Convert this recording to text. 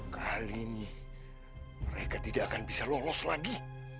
kali ini mereka tidak akan bisa lolos lagi